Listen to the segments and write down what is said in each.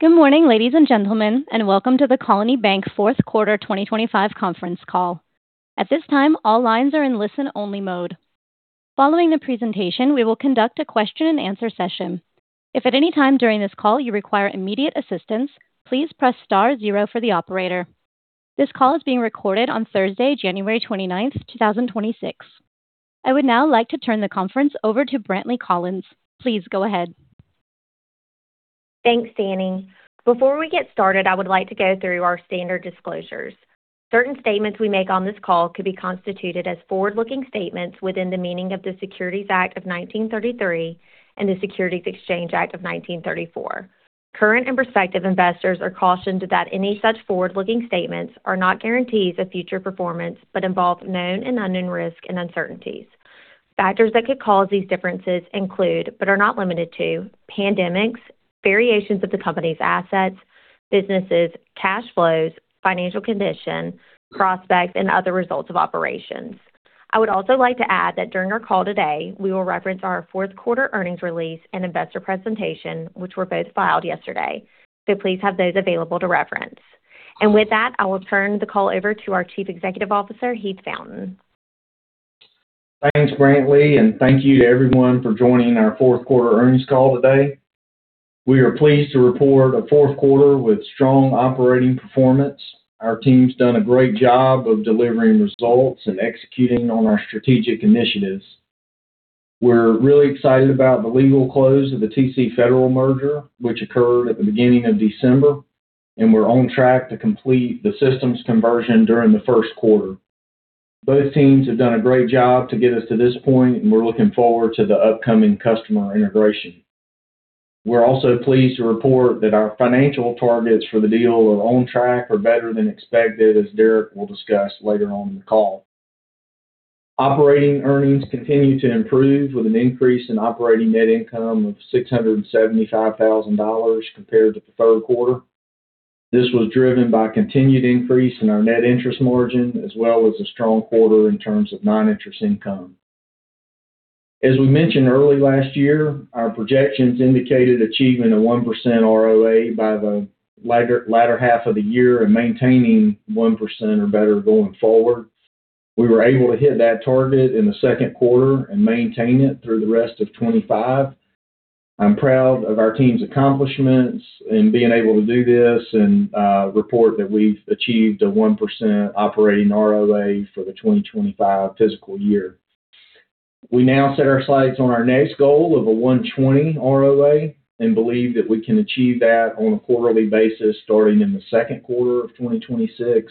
Good morning, ladies and gentlemen, and welcome to the Colony Bank Fourth Quarter 2025 conference call. At this time, all lines are in listen-only mode. Following the presentation, we will conduct a question-and-answer session. If at any time during this call you require immediate assistance, please press star zero for the operator. This call is being recorded on Thursday, January 29, 2026. I would now like to turn the conference over to Brantley Collins. Please go ahead. Thanks, Danny. Before we get started, I would like to go through our standard disclosures. Certain statements we make on this call could be constituted as forward-looking statements within the meaning of the Securities Act of 1933 and the Securities Exchange Act of 1934. Current and prospective investors are cautioned that any such forward-looking statements are not guarantees of future performance but involve known and unknown risk and uncertainties. Factors that could cause these differences include, but are not limited to, pandemics, variations of the company's assets, businesses, cash flows, financial condition, prospects, and other results of operations. I would also like to add that during our call today, we will reference our fourth quarter earnings release and investor presentation, which were both filed yesterday, so please have those available to reference. With that, I will turn the call over to our Chief Executive Officer, Heath Fountain. Thanks, Brantley, and thank you to everyone for joining our fourth quarter earnings call today. We are pleased to report a fourth quarter with strong operating performance. Our team's done a great job of delivering results and executing on our strategic initiatives. We're really excited about the legal close of the TC Federal merger, which occurred at the beginning of December, and we're on track to complete the systems conversion during the first quarter. Both teams have done a great job to get us to this point, and we're looking forward to the upcoming customer integration. We're also pleased to report that our financial targets for the deal are on track or better than expected, as Derek will discuss later on in the call. Operating earnings continue to improve with an increase in operating net income of $675,000 compared to the third quarter. This was driven by continued increase in our net interest margin as well as a strong quarter in terms of non-interest income. As we mentioned early last year, our projections indicated achieving a 1% ROA by the latter half of the year and maintaining 1% or better going forward. We were able to hit that target in the second quarter and maintain it through the rest of 2025. I'm proud of our team's accomplishments in being able to do this and report that we've achieved a 1% operating ROA for the 2025 fiscal year. We now set our sights on our next goal of a 1.20 ROA and believe that we can achieve that on a quarterly basis starting in the second quarter of 2026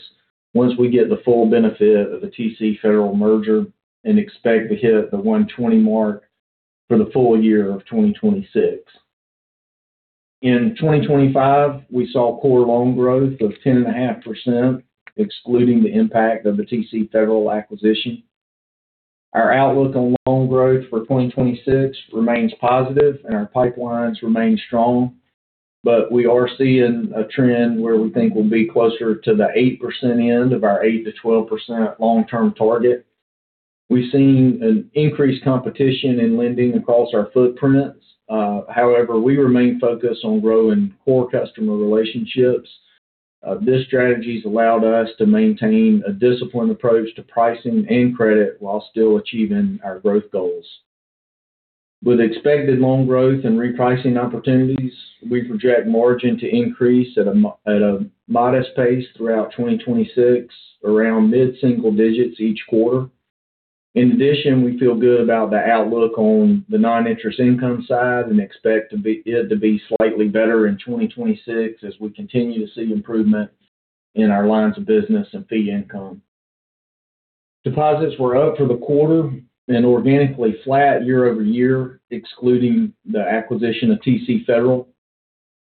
once we get the full benefit of the TC Federal merger and expect to hit the 1.20 mark for the full year of 2026. In 2025, we saw core loan growth of 10.5%, excluding the impact of the TC Federal acquisition. Our outlook on loan growth for 2026 remains positive, and our pipelines remain strong, but we are seeing a trend where we think we'll be closer to the 8% end of our 8%-12% long-term target. We've seen an increased competition in lending across our footprints. However, we remain focused on growing core customer relationships. This strategy has allowed us to maintain a disciplined approach to pricing and credit while still achieving our growth goals. With expected loan growth and repricing opportunities, we project margin to increase at a modest pace throughout 2026, around mid-single digits each quarter. In addition, we feel good about the outlook on the non-interest income side and expect it to be slightly better in 2026 as we continue to see improvement in our lines of business and fee income. Deposits were up for the quarter and organically flat year-over-year, excluding the acquisition of TC Federal.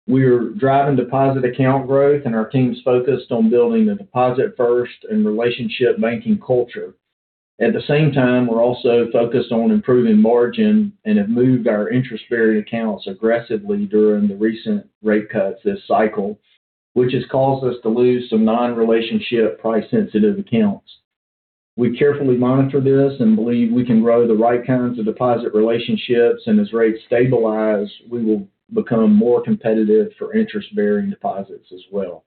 We are driving deposit account growth, and our team's focused on building a deposit-first and relationship banking culture. At the same time, we're also focused on improving margin and have moved our interest-bearing accounts aggressively during the recent rate cuts this cycle, which has caused us to lose some non-relationship price-sensitive accounts. We carefully monitor this and believe we can grow the right kinds of deposit relationships, and as rates stabilize, we will become more competitive for interest-bearing deposits as well.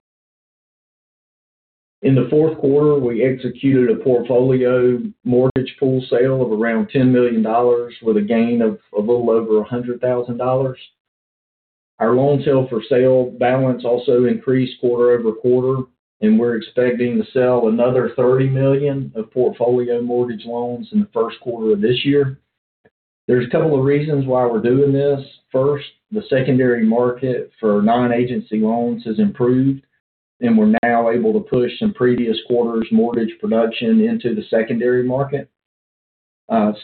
In the fourth quarter, we executed a portfolio mortgage pool sale of around $10 million with a gain of a little over $100,000. Our loans held for sale balance also increased quarter-over-quarter, and we're expecting to sell another $30 million of portfolio mortgage loans in the first quarter of this year. There's a couple of reasons why we're doing this. First, the secondary market for non-agency loans has improved, and we're now able to push some previous quarter's mortgage production into the secondary market.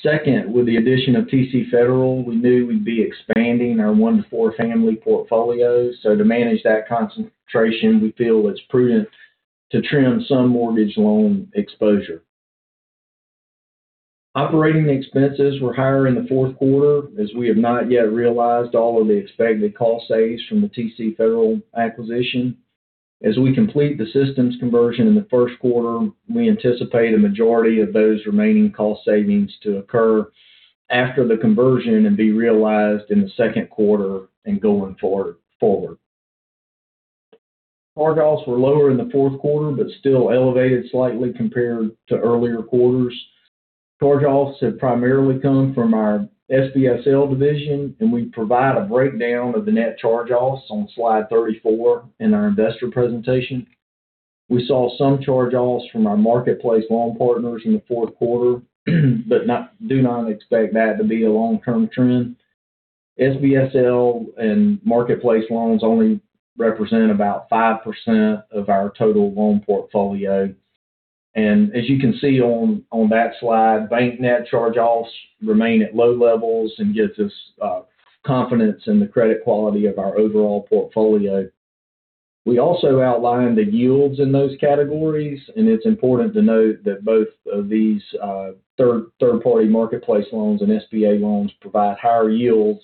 Second, with the addition of TC Federal, we knew we'd be expanding our one-to-four family portfolio, so to manage that concentration, we feel it's prudent to trim some mortgage loan exposure. Operating expenses were higher in the fourth quarter as we have not yet realized all of the expected cost savings from the TC Federal acquisition. As we complete the systems conversion in the first quarter, we anticipate a majority of those remaining cost savings to occur after the conversion and be realized in the second quarter and going forward. Charge-offs were lower in the fourth quarter but still elevated slightly compared to earlier quarters. Charge-offs have primarily come from our SBSL division, and we provide a breakdown of the net charge-offs on slide 34 in our investor presentation. We saw some charge-offs from our marketplace loan partners in the fourth quarter, but do not expect that to be a long-term trend. SBSL and marketplace loans only represent about 5% of our total loan portfolio. As you can see on that slide, bank net charge-offs remain at low levels and give us confidence in the credit quality of our overall portfolio. We also outlined the yields in those categories, and it's important to note that both of these third-party marketplace loans and SBA loans provide higher yields,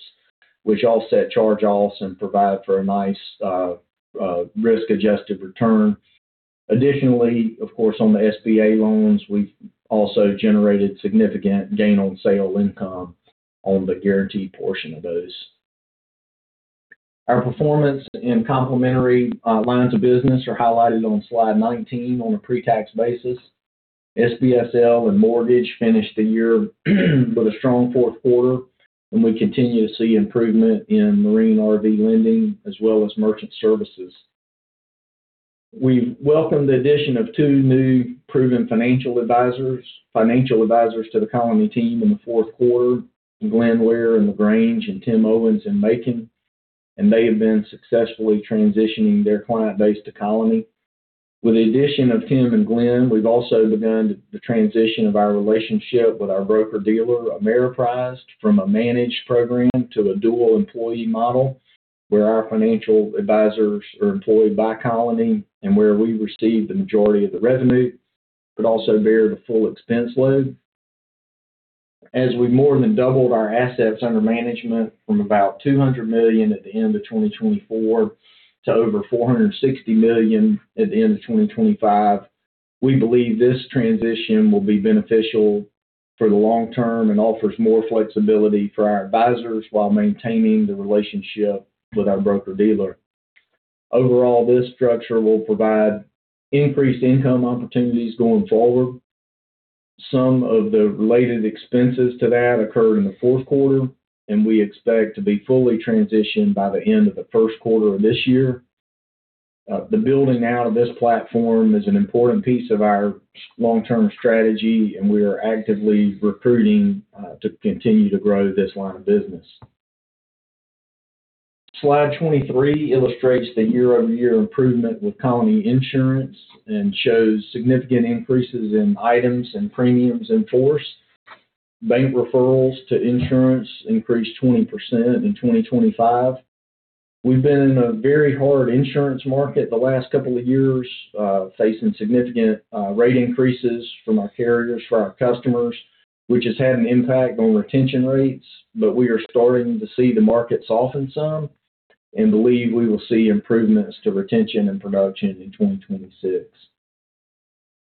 which offset charge-offs and provide for a nice risk-adjusted return. Additionally, of course, on the SBA loans, we've also generated significant gain on sale income on the guaranteed portion of those. Our performance and complementary lines of business are highlighted on slide 19 on a pre-tax basis. SBSL and mortgage finished the year with a strong fourth quarter, and we continue to see improvement in marine RV lending as well as merchant services. We've welcomed the addition of two new proven financial advisors to the Colony team in the fourth quarter, Glenn Weir and LaGrange, and Tim Owens and Macon, and they have been successfully transitioning their client base to Colony. With the addition of Tim and Glenn, we've also begun the transition of our relationship with our broker-dealer, Ameriprise, from a managed program to a dual-employee model where our financial advisors are employed by Colony and where we receive the majority of the revenue but also bear the full expense load. As we've more than doubled our assets under management from about $200 million at the end of 2024 to over $460 million at the end of 2025, we believe this transition will be beneficial for the long term and offers more flexibility for our advisors while maintaining the relationship with our broker-dealer. Overall, this structure will provide increased income opportunities going forward. Some of the related expenses to that occurred in the fourth quarter, and we expect to be fully transitioned by the end of the first quarter of this year. The building out of this platform is an important piece of our long-term strategy, and we are actively recruiting to continue to grow this line of business. Slide 23 illustrates the year-over-year improvement with Colony Insurance and shows significant increases in items and premiums earned. Bank referrals to insurance increased 20% in 2025. We've been in a very hard insurance market the last couple of years, facing significant rate increases from our carriers for our customers, which has had an impact on retention rates, but we are starting to see the market soften some and believe we will see improvements to retention and production in 2026.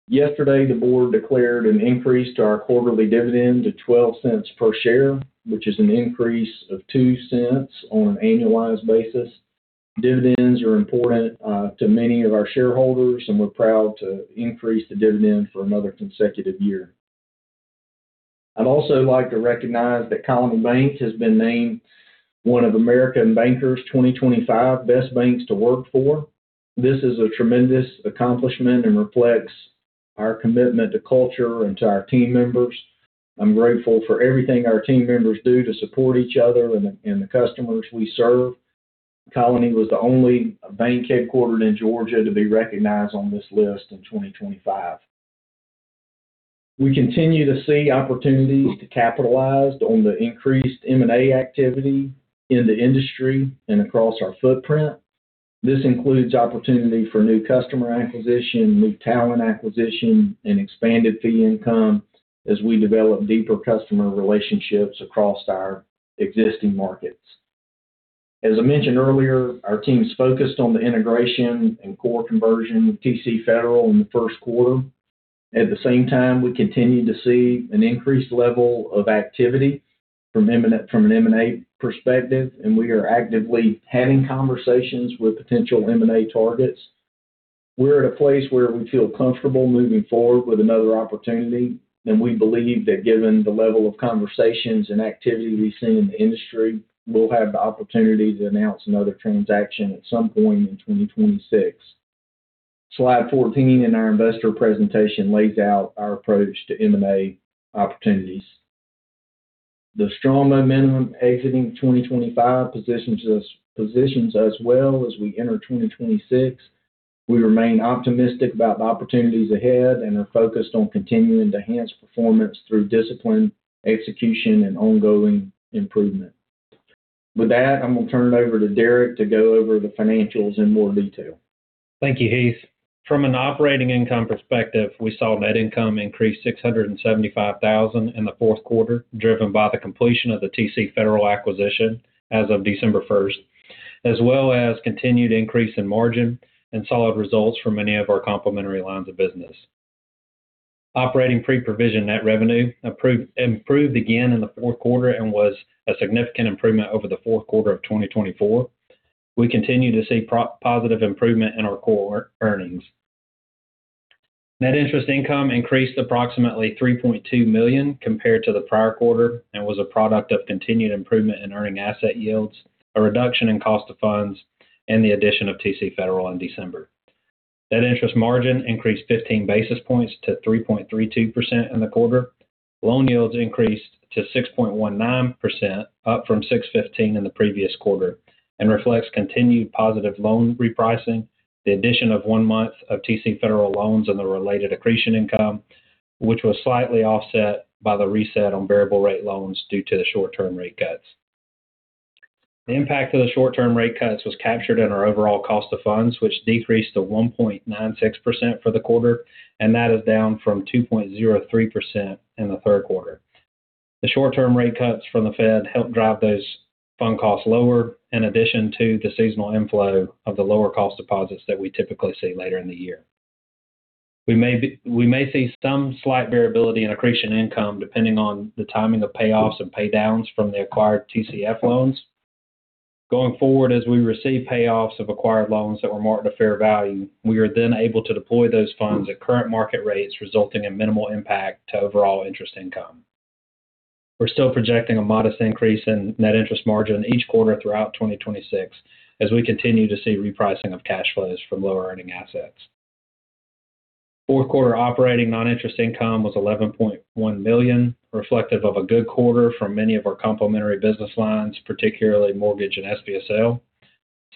Yesterday, the board declared an increase to our quarterly dividend to $0.12 per share, which is an increase of $0.02 on an annualized basis. Dividends are important to many of our shareholders, and we're proud to increase the dividend for another consecutive year. I'd also like to recognize that Colony Bank has been named one of American Banker’s 2025 Best Banks to Work For. This is a tremendous accomplishment and reflects our commitment to culture and to our team members. I'm grateful for everything our team members do to support each other and the customers we serve. Colony was the only bank headquartered in Georgia to be recognized on this list in 2025. We continue to see opportunities to capitalize on the increased M&A activity in the industry and across our footprint. This includes opportunity for new customer acquisition, new talent acquisition, and expanded fee income as we develop deeper customer relationships across our existing markets. As I mentioned earlier, our team's focused on the integration and core conversion with TC Federal in the first quarter. At the same time, we continue to see an increased level of activity from an M&A perspective, and we are actively having conversations with potential M&A targets. We're at a place where we feel comfortable moving forward with another opportunity, and we believe that given the level of conversations and activity we've seen in the industry, we'll have the opportunity to announce another transaction at some point in 2026. Slide 14 in our investor presentation lays out our approach to M&A opportunities. The strong momentum exiting 2025 positions us well as we enter 2026. We remain optimistic about the opportunities ahead and are focused on continuing to enhance performance through disciplined execution and ongoing improvement. With that, I'm going to turn it over to Derek to go over the financials in more detail. Thank you, Heath. From an operating income perspective, we saw net income increase $675,000 in the fourth quarter, driven by the completion of the TC Federal acquisition as of December 1st, as well as continued increase in margin and solid results for many of our complementary lines of business. Operating pre-provision net revenue improved again in the fourth quarter and was a significant improvement over the fourth quarter of 2024. We continue to see positive improvement in our core earnings. Net interest income increased approximately $3.2 million compared to the prior quarter and was a product of continued improvement in earning asset yields, a reduction in cost of funds, and the addition of TC Federal in December. Net interest margin increased 15 basis points to 3.32% in the quarter. Loan yields increased to 6.19%, up from 6.15% in the previous quarter, and reflects continued positive loan repricing, the addition of one month of TC Federal loans and the related accretion income, which was slightly offset by the reset on variable rate loans due to the short-term rate cuts. The impact of the short-term rate cuts was captured in our overall cost of funds, which decreased to 1.96% for the quarter, and that is down from 2.03% in the third quarter. The short-term rate cuts from the Fed helped drive those fund costs lower, in addition to the seasonal inflow of the lower cost deposits that we typically see later in the year. We may see some slight variability in accretion income depending on the timing of payoffs and paydowns from the acquired TCF loans. Going forward, as we receive payoffs of acquired loans that were marked at fair value, we are then able to deploy those funds at current market rates, resulting in minimal impact to overall interest income. We're still projecting a modest increase in net interest margin each quarter throughout 2026 as we continue to see repricing of cash flows from lower earning assets. Fourth quarter operating non-interest income was $11.1 million, reflective of a good quarter for many of our complementary business lines, particularly mortgage and SBSL.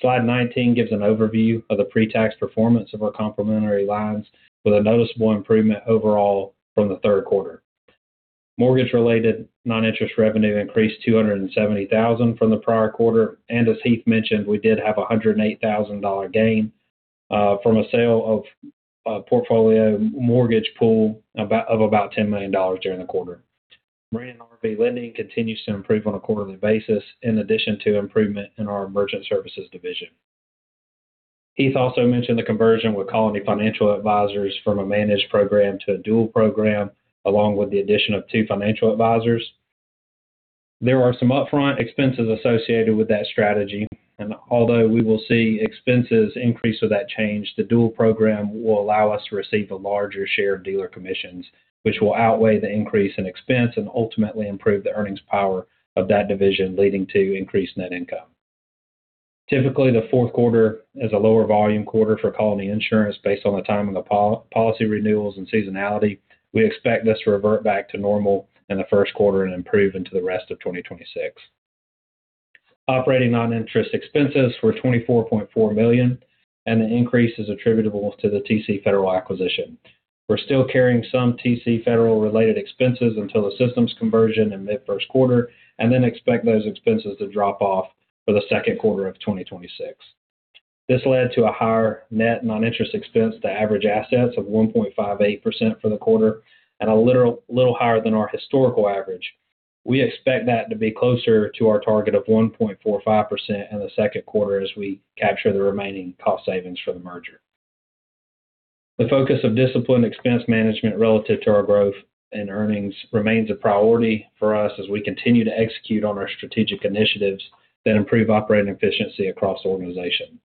Slide 19 gives an overview of the pre-tax performance of our complementary lines with a noticeable improvement overall from the third quarter. Mortgage-related non-interest revenue increased $270,000 from the prior quarter, and as Heath mentioned, we did have a $108,000 gain from a sale of a portfolio mortgage pool of about $10 million during the quarter. Marine and RV lending continues to improve on a quarterly basis, in addition to improvement in our merchant services division. Heath also mentioned the conversion with Colony Financial Advisors from a managed program to a dual program, along with the addition of two financial advisors. There are some upfront expenses associated with that strategy, and although we will see expenses increase with that change, the dual program will allow us to receive a larger share of dealer commissions, which will outweigh the increase in expense and ultimately improve the earnings power of that division, leading to increased net income. Typically, the fourth quarter is a lower volume quarter for Colony Insurance based on the timing of policy renewals and seasonality. We expect this to revert back to normal in the first quarter and improve into the rest of 2026. Operating non-interest expenses were $24.4 million, and the increase is attributable to the TC Federal acquisition. We're still carrying some TC Federal-related expenses until the systems conversion in mid-first quarter and then expect those expenses to drop off for the second quarter of 2026. This led to a higher net non-interest expense to average assets of 1.58% for the quarter and a little higher than our historical average. We expect that to be closer to our target of 1.45% in the second quarter as we capture the remaining cost savings for the merger. The focus of disciplined expense management relative to our growth and earnings remains a priority for us as we continue to execute on our strategic initiatives that improve operating efficiency across the organization.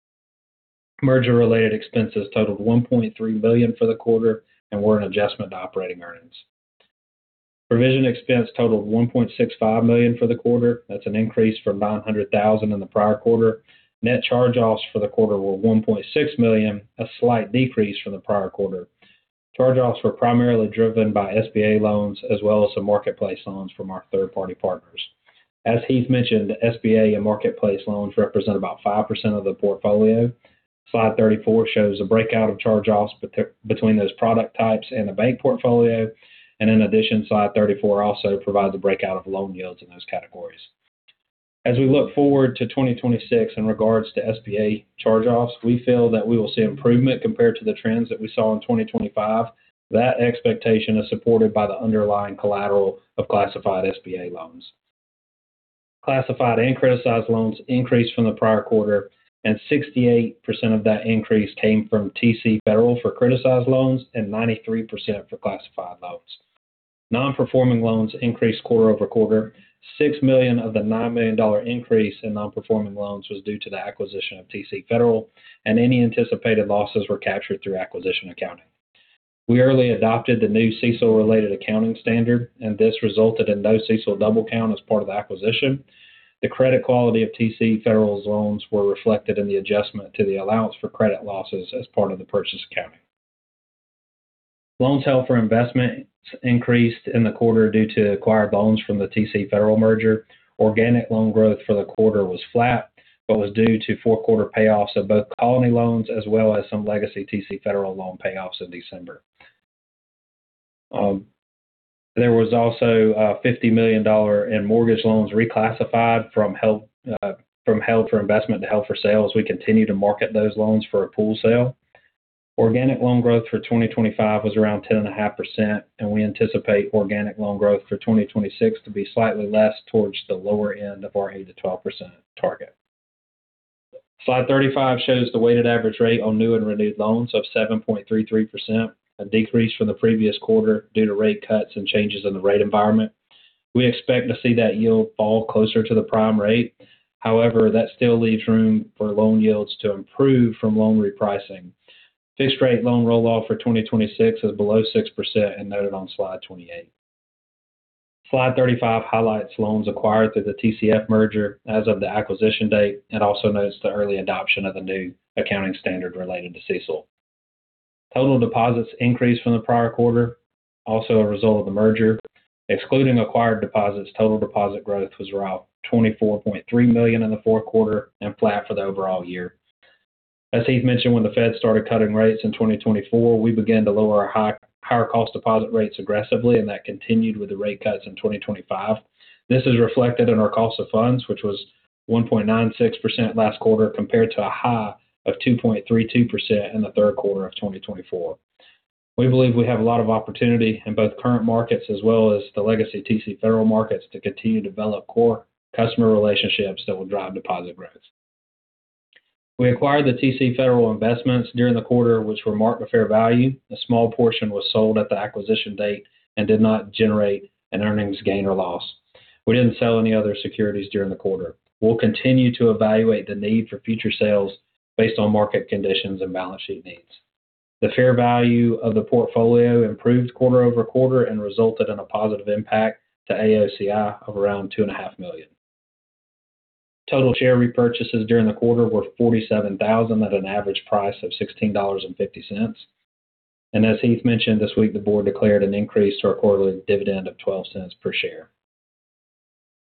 Merger-related expenses totaled $1.3 million for the quarter, and we're in adjustment to operating earnings. Provision expense totaled $1.65 million for the quarter. That's an increase from $900,000 in the prior quarter. Net charge-offs for the quarter were $1.6 million, a slight decrease from the prior quarter. Charge-offs were primarily driven by SBA loans as well as some marketplace loans from our third-party partners. As Heath mentioned, SBA and marketplace loans represent about 5% of the portfolio. Slide 34 shows a breakout of charge-offs between those product types and the bank portfolio, and in addition, slide 34 also provides a breakout of loan yields in those categories. As we look forward to 2026 in regards to SBA charge-offs, we feel that we will see improvement compared to the trends that we saw in 2025. That expectation is supported by the underlying collateral of classified SBA loans. Classified and criticized loans increased from the prior quarter, and 68% of that increase came from TC Federal for criticized loans and 93% for classified loans. Non-performing loans increased quarter-over-quarter. $6 million of the $9 million increase in non-performing loans was due to the acquisition of TC Federal, and any anticipated losses were captured through acquisition accounting. We early adopted the new CECL-related accounting standard, and this resulted in no CECL double count as part of the acquisition. The credit quality of TC Federal's loans was reflected in the adjustment to the allowance for credit losses as part of the purchase accounting. Loans held for investment increased in the quarter due to acquired loans from the TC Federal merger. Organic loan growth for the quarter was flat but was due to fourth quarter payoffs of both Colony loans as well as some legacy TC Federal loan payoffs in December. There was also $50 million in mortgage loans reclassified from held for investment to held for sale. We continue to market those loans for a pool sale. Organic loan growth for 2025 was around 10.5%, and we anticipate organic loan growth for 2026 to be slightly less towards the lower end of our 8%-12% target. Slide 35 shows the weighted average rate on new and renewed loans of 7.33%, a decrease from the previous quarter due to rate cuts and changes in the rate environment. We expect to see that yield fall closer to the prime rate. However, that still leaves room for loan yields to improve from loan repricing. Fixed-rate loan rolloff for 2026 is below 6% and noted on slide 28. Slide 35 highlights loans acquired through the TCF merger as of the acquisition date and also notes the early adoption of the new accounting standard related to CECL. Total deposits increased from the prior quarter, also a result of the merger. Excluding acquired deposits, total deposit growth was around $24.3 million in the fourth quarter and flat for the overall year. As Heath mentioned, when the Fed started cutting rates in 2024, we began to lower our higher cost deposit rates aggressively, and that continued with the rate cuts in 2025. This is reflected in our cost of funds, which was 1.96% last quarter compared to a high of 2.32% in the third quarter of 2024. We believe we have a lot of opportunity in both current markets as well as the legacy TC Federal markets to continue to develop core customer relationships that will drive deposit growth. We acquired the TC Federal investments during the quarter, which were marked to fair value. A small portion was sold at the acquisition date and did not generate an earnings gain or loss. We didn't sell any other securities during the quarter. We'll continue to evaluate the need for future sales based on market conditions and balance sheet needs. The fair value of the portfolio improved quarter-over-quarter and resulted in a positive impact to AOCI of around $2.5 million. Total share repurchases during the quarter were $47,000 at an average price of $16.50. And as Heath mentioned, this week, the board declared an increase to our quarterly dividend of $0.12 per share.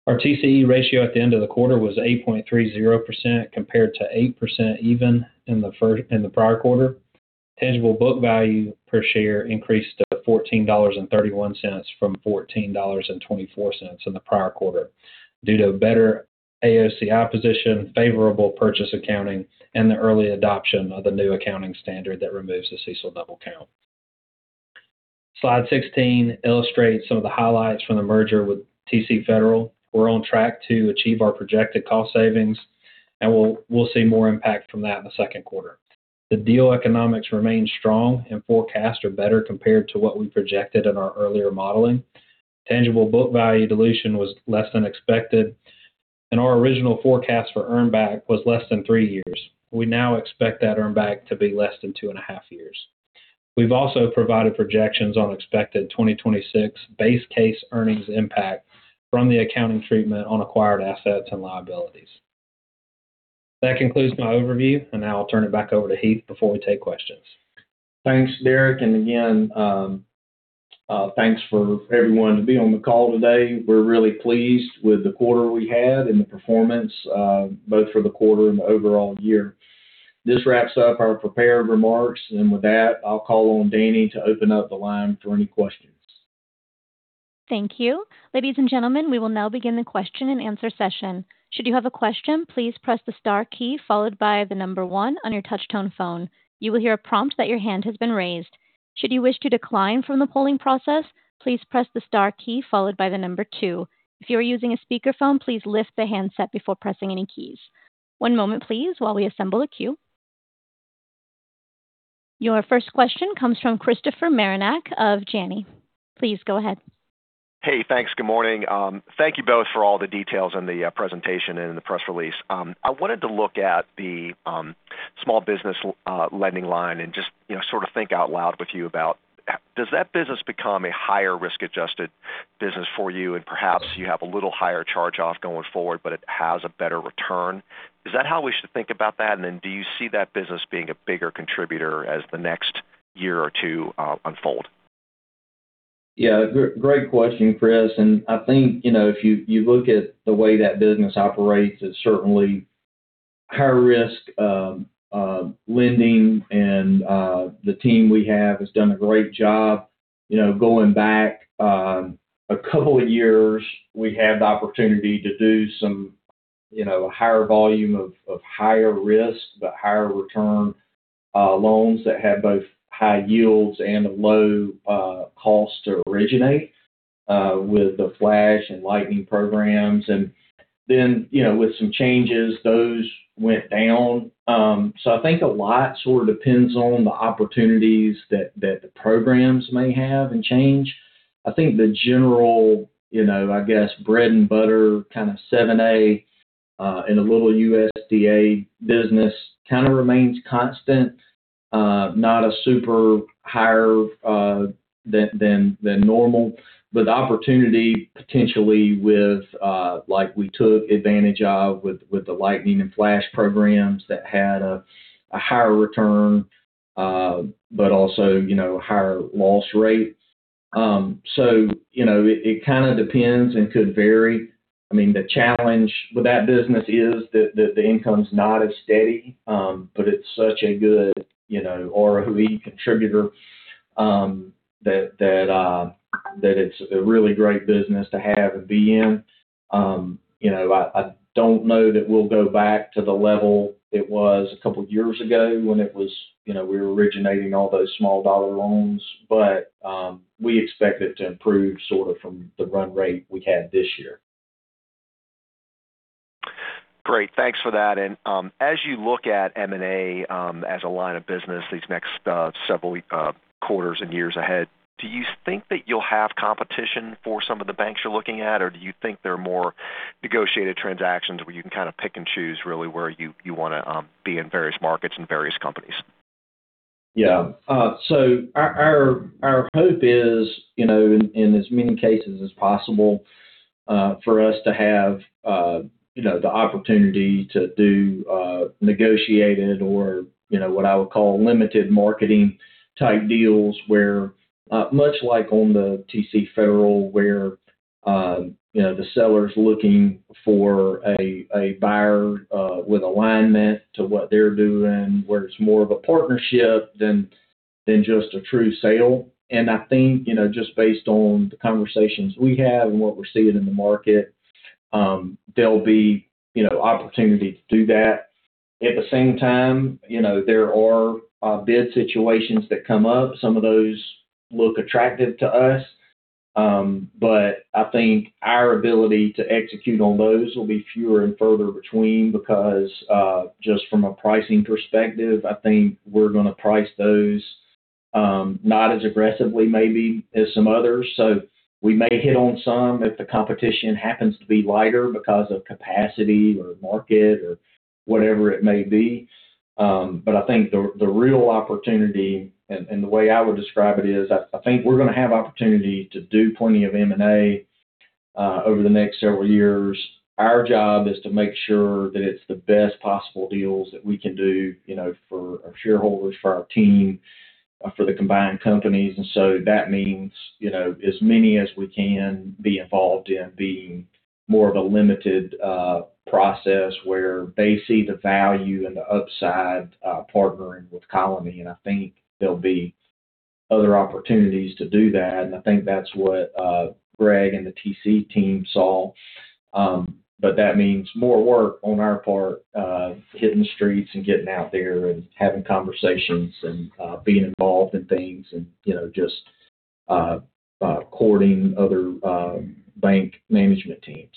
Our TCE ratio at the end of the quarter was 8.30% compared to 8% even in the prior quarter. Tangible book value per share increased to $14.31 from $14.24 in the prior quarter due to a better AOCI position, favorable purchase accounting, and the early adoption of the new accounting standard that removes the CECL double count. Slide 16 illustrates some of the highlights from the merger with TC Federal. We're on track to achieve our projected cost savings, and we'll see more impact from that in the second quarter. The deal economics remain strong, and forecasts are better compared to what we projected in our earlier modeling. Tangible book value dilution was less than expected, and our original forecast for earnback was less than three years. We now expect that earnback to be less than 2.5 years. We've also provided projections on expected 2026 base case earnings impact from the accounting treatment on acquired assets and liabilities. That concludes my overview, and now I'll turn it back over to Heath before we take questions. Thanks, Derek. And again, thanks for everyone to be on the call today. We're really pleased with the quarter we had and the performance, both for the quarter and the overall year. This wraps up our prepared remarks, and with that, I'll call on Danny to open up the line for any questions. Thank you. Ladies and gentlemen, we will now begin the question and answer session. Should you have a question, please press the star key followed by the number one on your touchtone phone. You will hear a prompt that your hand has been raised. Should you wish to decline from the polling process, please press the star key followed by the number two. If you are using a speakerphone, please lift the handset before pressing any keys. One moment, please, while we assemble a queue. Your first question comes from Christopher Marinak of Janney. Please go ahead. Hey, thanks. Good morning. Thank you both for all the details in the presentation and in the press release. I wanted to look at the small business lending line and just sort of think out loud with you about, does that business become a higher risk-adjusted business for you, and perhaps you have a little higher charge-off going forward, but it has a better return? Is that how we should think about that? And then do you see that business being a bigger contributor as the next year or two unfold? Yeah, great question, Chris. And I think if you look at the way that business operates, it's certainly high-risk lending, and the team we have has done a great job. Going back a couple of years, we had the opportunity to do some higher volume of higher risk, but higher return loans that had both high yields and a low cost to originate with the Flash and Lightning programs. And then with some changes, those went down. So, I think a lot sort of depends on the opportunities that the programs may have and change. I think the general, I guess, bread-and-butter kind of 7(a) and a little USDA business kind of remains constant, not a super higher than normal. But the opportunity potentially with, like, we took advantage of with the Lightning and Flash programs that had a higher return, but also a higher loss rate. So it kind of depends and could vary. I mean, the challenge with that business is that the income's not as steady, but it's such a good ROE contributor that it's a really great business to have and be in. I don't know that we'll go back to the level it was a couple of years ago when we were originating all those small-dollar loans, but we expect it to improve sort of from the run rate we had this year. Great. Thanks for that. And as you look at M&A as a line of business these next several quarters and years ahead, do you think that you'll have competition for some of the banks you're looking at, or do you think there are more negotiated transactions where you can kind of pick and choose really where you want to be in various markets and various companies? Yeah. So our hope is, in as many cases as possible, for us to have the opportunity to do negotiated or what I would call limited marketing-type deals where, much like on the TC Federal, where the seller's looking for a buyer with alignment to what they're doing, where it's more of a partnership than just a true sale. And I think just based on the conversations we have and what we're seeing in the market, there'll be opportunity to do that. At the same time, there are bid situations that come up. Some of those look attractive to us, but I think our ability to execute on those will be fewer and further between because just from a pricing perspective, I think we're going to price those not as aggressively maybe as some others. So we may hit on some if the competition happens to be lighter because of capacity or market or whatever it may be. But I think the real opportunity, and the way I would describe it is, I think we're going to have opportunity to do plenty of M&A over the next several years. Our job is to make sure that it's the best possible deals that we can do for our shareholders, for our team, for the combined companies. And so that means as many as we can be involved in being more of a limited process where they see the value and the upside partnering with Colony. And I think there'll be other opportunities to do that. And I think that's what Greg and the TC team saw. But that means more work on our part, hitting the streets and getting out there and having conversations and being involved in things and just courting other bank management teams.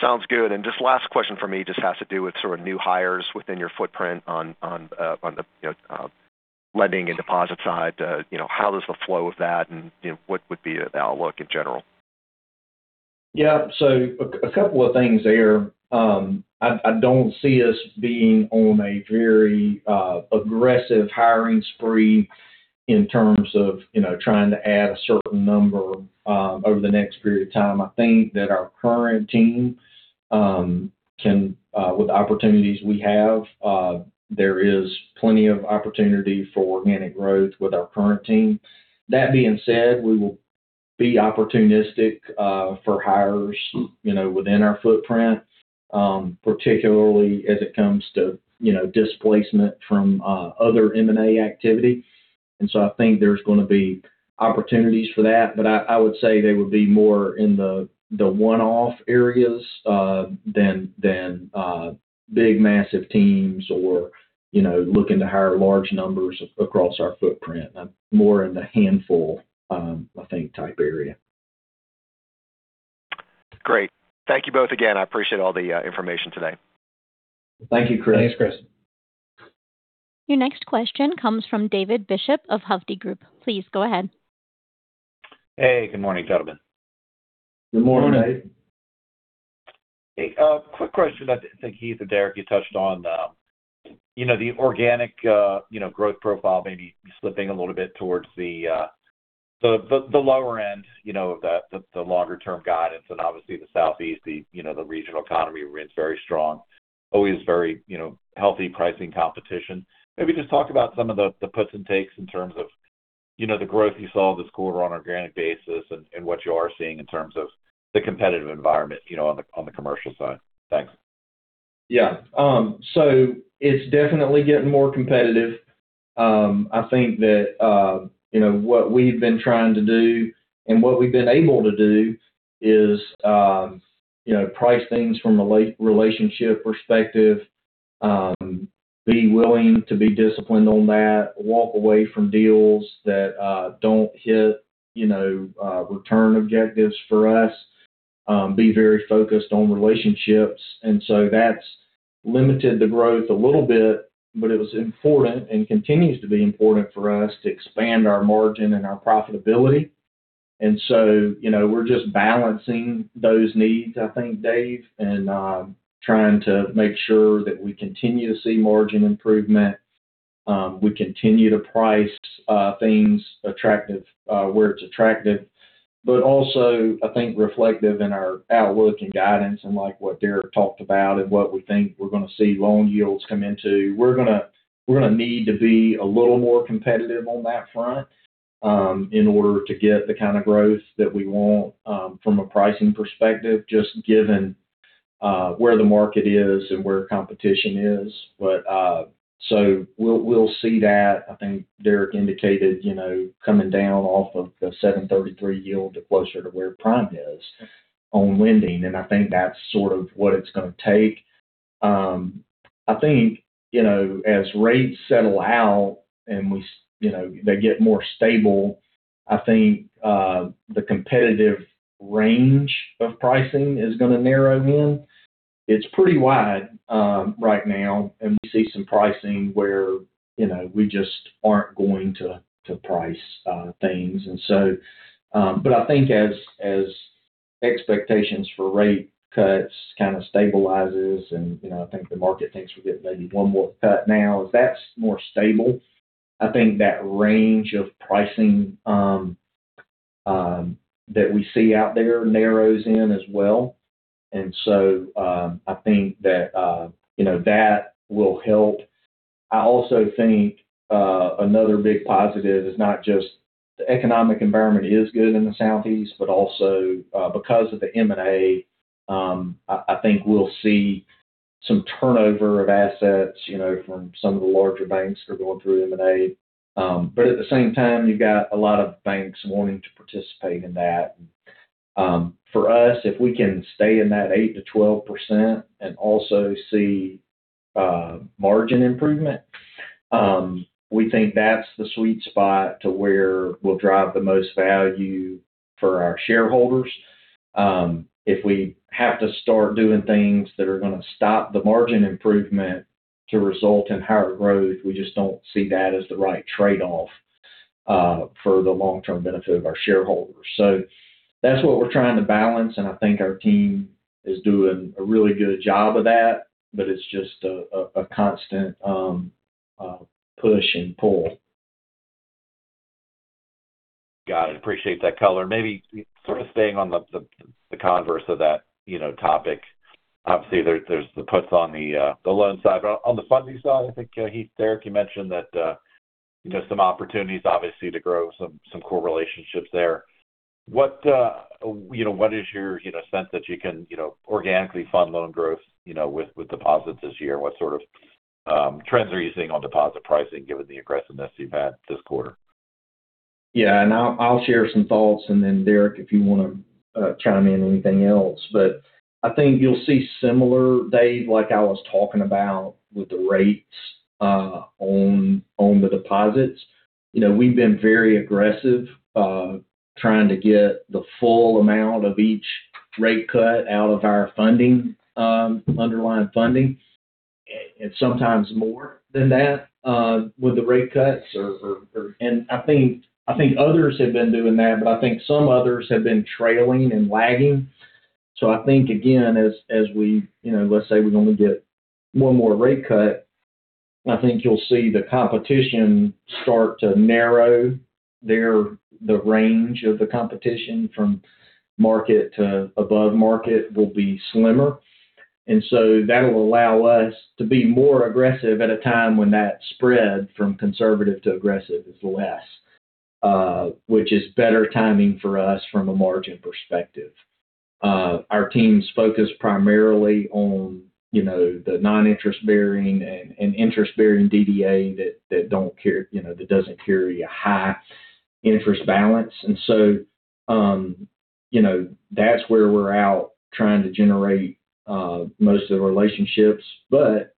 Sounds good. Just last question for me just has to do with sort of new hires within your footprint on the lending and deposit side. How does the flow of that and what would be the outlook in general? Yeah. So a couple of things there. I don't see us being on a very aggressive hiring spree in terms of trying to add a certain number over the next period of time. I think that our current team, with the opportunities we have, there is plenty of opportunity for organic growth with our current team. That being said, we will be opportunistic for hires within our footprint, particularly as it comes to displacement from other M&A activity. And so I think there's going to be opportunities for that, but I would say they would be more in the one-off areas than big, massive teams or looking to hire large numbers across our footprint. More in the handful, I think, type area. Great. Thank you both again. I appreciate all the information today. Thank you, Chris. Thanks, Chris. Your next question comes from David Bishop of Hovde Group. Please go ahead. Hey, good morning, gentlemen. Good morning, Dave. Hey, quick question. I think Heath or Derek, you touched on the organic growth profile maybe slipping a little bit towards the lower end of the longer-term guidance. And obviously, the Southeast, the regional economy remains very strong, always very healthy pricing competition. Maybe just talk about some of the puts and takes in terms of the growth you saw this quarter on an organic basis and what you are seeing in terms of the competitive environment on the commercial side. Thanks. Yeah. So it's definitely getting more competitive. I think that what we've been trying to do and what we've been able to do is price things from a relationship perspective, be willing to be disciplined on that, walk away from deals that don't hit return objectives for us, be very focused on relationships. And so that's limited the growth a little bit, but it was important and continues to be important for us to expand our margin and our profitability. And so we're just balancing those needs, I think, Dave, and trying to make sure that we continue to see margin improvement. We continue to price things where it's attractive, but also, I think, reflective in our outlook and guidance and what Derek talked about and what we think we're going to see loan yields come into. We're going to need to be a little more competitive on that front in order to get the kind of growth that we want from a pricing perspective, just given where the market is and where competition is. So we'll see that. I think Derek indicated coming down off of the 7.33 yield to closer to where prime is on lending. And I think that's sort of what it's going to take. I think as rates settle out and they get more stable, I think the competitive range of pricing is going to narrow in. It's pretty wide right now, and we see some pricing where we just aren't going to price things. But I think as expectations for rate cuts kind of stabilize and I think the market thinks we're getting maybe one more cut now, if that's more stable, I think that range of pricing that we see out there narrows in as well. And so I think that that will help. I also think another big positive is not just the economic environment is good in the Southeast, but also because of the M&A, I think we'll see some turnover of assets from some of the larger banks that are going through M&A. But at the same time, you've got a lot of banks wanting to participate in that. For us, if we can stay in that 8%-12% and also see margin improvement, we think that's the sweet spot to where we'll drive the most value for our shareholders. If we have to start doing things that are going to stop the margin improvement to result in higher growth, we just don't see that as the right trade-off for the long-term benefit of our shareholders. So that's what we're trying to balance, and I think our team is doing a really good job of that, but it's just a constant push and pull. Got it. Appreciate that, Colin. Maybe sort of staying on the converse of that topic, obviously, there's the puts on the loan side. But on the funding side, I think Heath, Derek, you mentioned that some opportunities, obviously, to grow some core relationships there. What is your sense that you can organically fund loan growth with deposits this year? What sort of trends are you seeing on deposit pricing given the aggressiveness you've had this quarter? Yeah. And I'll share some thoughts, and then Derek, if you want to chime in anything else. But I think you'll see similar, Dave, like I was talking about with the rates on the deposits. We've been very aggressive trying to get the full amount of each rate cut out of our underlying funding, and sometimes more than that with the rate cuts. And I think others have been doing that, but I think some others have been trailing and lagging. So I think, again, as we, let's say we only get one more rate cut, I think you'll see the competition start to narrow. The range of the competition from market to above market will be slimmer. And so that'll allow us to be more aggressive at a time when that spread from conservative to aggressive is less, which is better timing for us from a margin perspective. Our teams focus primarily on the non-interest-bearing and interest-bearing DBAs that don't carry a high interest balance. And so that's where we're out trying to generate most of the relationships. But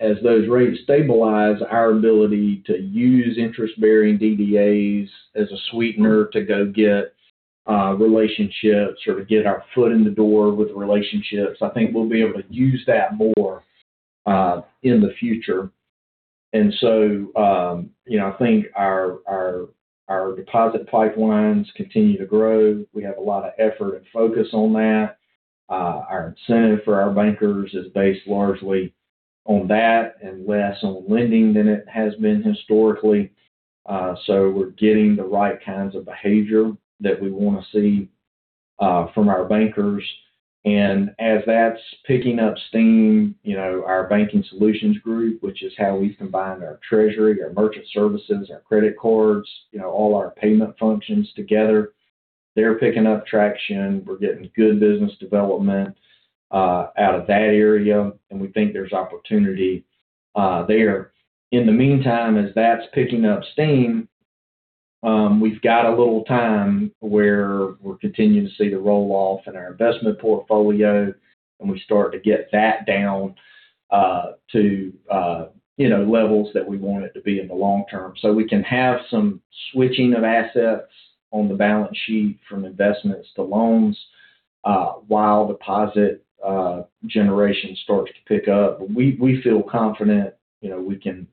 as those rates stabilize, our ability to use interest-bearing DBAs as a sweetener to go get relationships or to get our foot in the door with relationships, I think we'll be able to use that more in the future. And so I think our deposit pipelines continue to grow. We have a lot of effort and focus on that. Our incentive for our bankers is based largely on that and less on lending than it has been historically. So we're getting the right kinds of behavior that we want to see from our bankers. As that's picking up steam, our banking solutions group, which is how we've combined our treasury, our merchant services, our credit cards, all our payment functions together, they're picking up traction. We're getting good business development out of that area, and we think there's opportunity there. In the meantime, as that's picking up steam, we've got a little time where we're continuing to see the roll-off in our investment portfolio, and we start to get that down to levels that we want it to be in the long term. So we can have some switching of assets on the balance sheet from investments to loans while deposit generation starts to pick up. We feel confident we can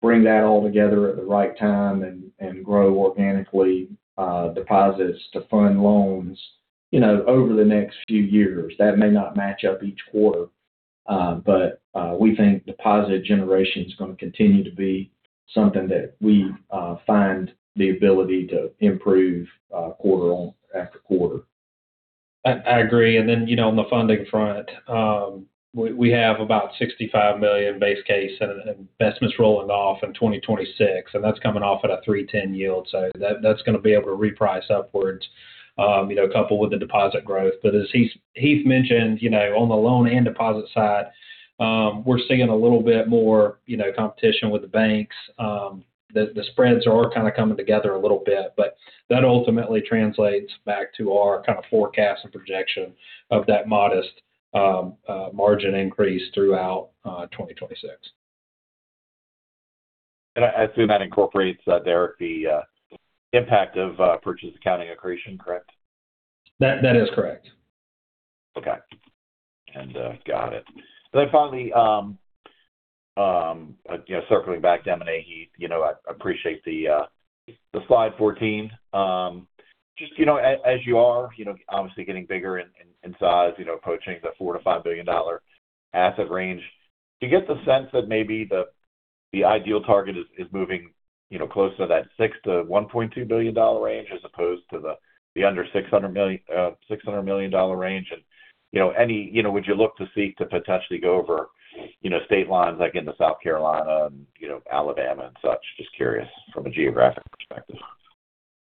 bring that all together at the right time and grow organically deposits to fund loans over the next few years. That may not match up each quarter, but we think deposit generation is going to continue to be something that we find the ability to improve quarter after quarter. I agree. And then on the funding front, we have about $65 million base case investments rolling off in 2026, and that's coming off at a 3.10% yield. So that's going to be able to reprice upwards coupled with the deposit growth. But as Heath mentioned, on the loan and deposit side, we're seeing a little bit more competition with the banks. The spreads are kind of coming together a little bit, but that ultimately translates back to our kind of forecast and projection of that modest margin increase throughout 2026. And I assume that incorporates, Derek, the impact of purchase accounting accretion, correct? That is correct. Okay. And got it. Then finally, circling back to M&A, Heath, I appreciate the slide 14. Just as you are, obviously, getting bigger in size, approaching the $4-$5 billion range, do you get the sense that maybe the ideal target is moving close to that $600 million-$1.2 billion range as opposed to the under $600 million range? And would you look to seek to potentially go over state lines like into South Carolina and Alabama and such? Just curious from a geographic perspective.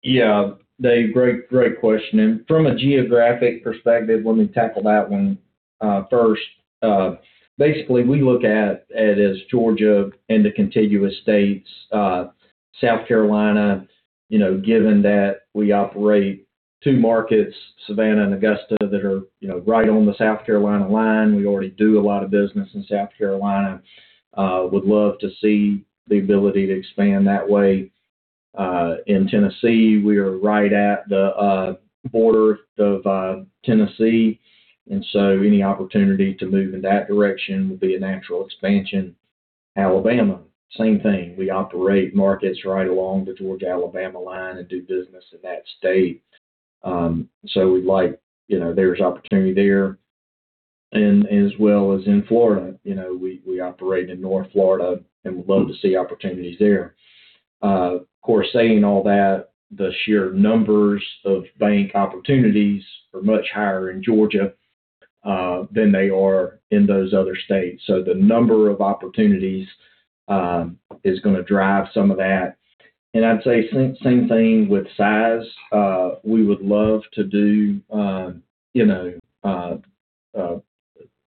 Yeah. Dave, great question. And from a geographic perspective, let me tackle that one first. Basically, we look at it as Georgia and the contiguous states, South Carolina, given that we operate two markets, Savannah and Augusta, that are right on the South Carolina line. We already do a lot of business in South Carolina. Would love to see the ability to expand that way. In Tennessee, we are right at the border of Tennessee. And so any opportunity to move in that direction would be a natural expansion. Alabama, same thing. We operate markets right along the Georgia-Alabama line and do business in that state. So we'd like there's opportunity there. And as well as in Florida, we operate in North Florida, and we'd love to see opportunities there. Of course, saying all that, the sheer numbers of bank opportunities are much higher in Georgia than they are in those other states. So the number of opportunities is going to drive some of that. And I'd say same thing with size. We would love to do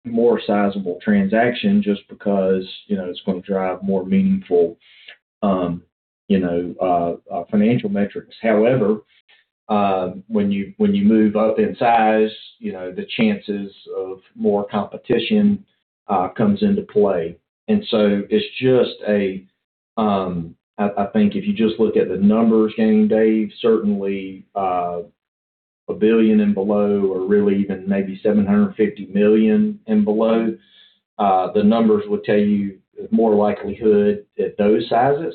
more sizable transactions just because it's going to drive more meaningful financial metrics. However, when you move up in size, the chances of more competition come into play. And so it's just, I think, if you just look at the numbers game, Dave, certainly $1 billion and below or really even maybe $750 million and below, the numbers would tell you more likelihood at those sizes.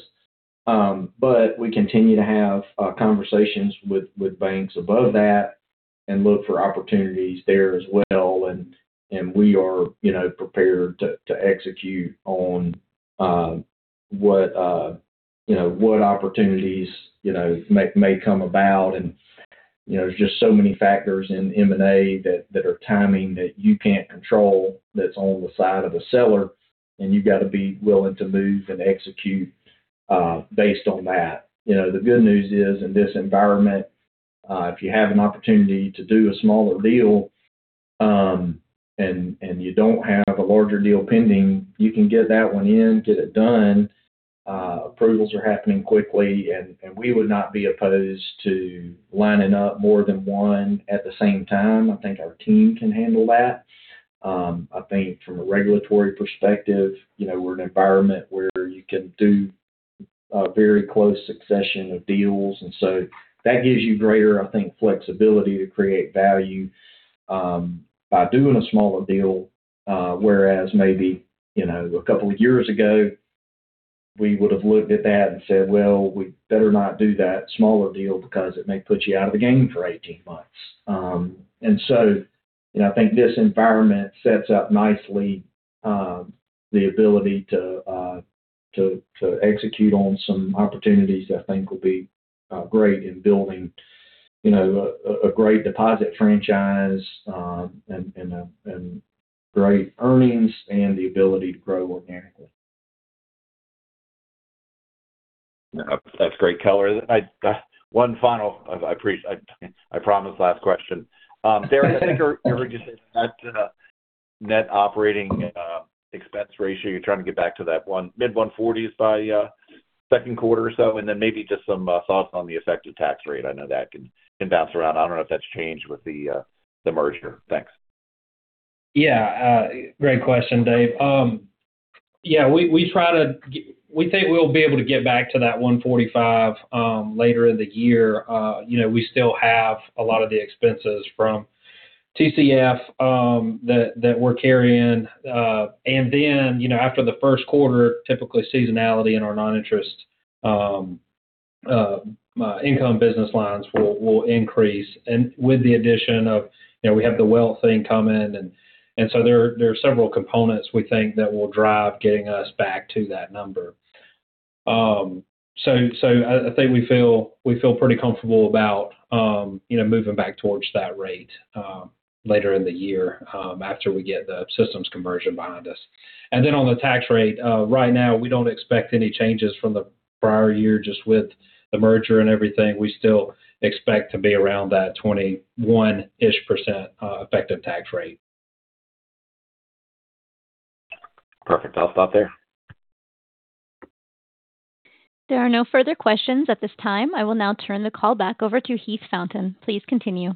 But we continue to have conversations with banks above that and look for opportunities there as well. And we are prepared to execute on what opportunities may come about. And there's just so many factors in M&A that are timing that you can't control that's on the side of the seller, and you've got to be willing to move and execute based on that. The good news is, in this environment, if you have an opportunity to do a smaller deal and you don't have a larger deal pending, you can get that one in, get it done. Approvals are happening quickly, and we would not be opposed to lining up more than one at the same time. I think our team can handle that. I think from a regulatory perspective, we're in an environment where you can do a very close succession of deals. And so that gives you greater, I think, flexibility to create value by doing a smaller deal, whereas maybe a couple of years ago, we would have looked at that and said, "Well, we better not do that smaller deal because it may put you out of the game for 18 months." And so I think this environment sets up nicely the ability to execute on some opportunities that I think will be great in building a great deposit franchise and great earnings and the ability to grow organically. That's great, Colin. One final, I promise, last question. Derek, I think I heard you say that net operating expense ratio, you're trying to get back to that mid-140s by second quarter or so, and then maybe just some thoughts on the effective tax rate. I know that can bounce around. I don't know if that's changed with the merger. Thanks. Yeah. Great question, Dave. Yeah. We try to we think we'll be able to get back to that 145 later in the year. We still have a lot of the expenses from TCF that we're carrying. And then after the first quarter, typically seasonality in our non-interest income business lines will increase with the addition of we have the wealth thing coming. And so there are several components we think that will drive getting us back to that number. So I think we feel pretty comfortable about moving back towards that rate later in the year after we get the systems conversion behind us. And then on the tax rate, right now, we don't expect any changes from the prior year just with the merger and everything. We still expect to be around that 21%-ish effective tax rate. Perfect. I'll stop there. There are no further questions at this time. I will now turn the call back over to Heath Fountain. Please continue.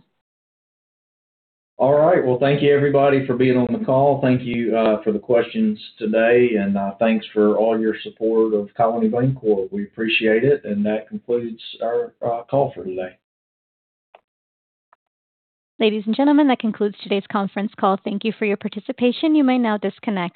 All right. Well, thank you, everybody, for being on the call. Thank you for the questions today, and thanks for all your support of Colony Bankcorp. We appreciate it. And that concludes our call for today. Ladies and gentlemen, that concludes today's conference call. Thank you for your participation. You may now disconnect.